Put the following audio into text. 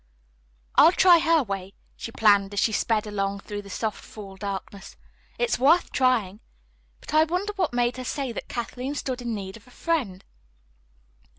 "I'll try her way," she planned as she sped along through the soft fall darkness. "It is worth trying. But I wonder what made her say that Kathleen stood in need of a friend."